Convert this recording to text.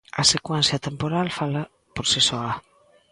A secuencia temporal fala por si soa.